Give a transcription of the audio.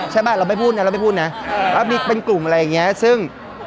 ใช่ปะเราไม่พูดนะว่ามีเป็นกลุ่มอะไรอย่างนี้ซึ่ง